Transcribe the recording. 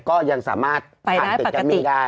ก็ยังสามารถผ่านตึกแกมมี่ได้